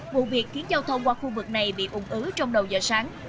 vụ việc khiến giao thông qua khu vực này bị ủng ứ trong đầu giờ sáng